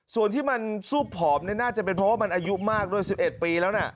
ส่วนที่มันซูบผอมนี่น่าจะเป็นเพราะว่ามันอายุมากด้วย๑๑ปีแล้วนะ